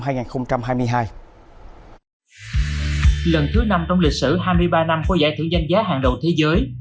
lần thứ năm trong lịch sử hai mươi ba năm có giải thưởng danh giá hàng đầu thế giới